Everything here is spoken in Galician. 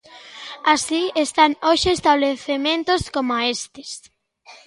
Así están hoxe establecementos coma estes.